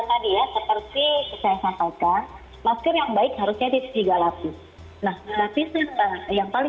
tadi ya seperti saya sampaikan masker yang baik harusnya di tiga lapis